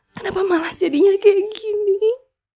kenapa malah jadinya kayak gini